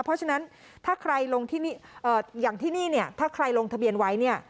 เพราะฉะนั้นอย่างที่นี่ถ้าใครลงทะเบียนไว้